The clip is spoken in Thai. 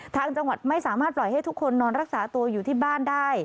ทางจังหวัดไม่สามารถปล่อยให้ทุกคนนอนรักษาตัวอยู่ที่บ้านได้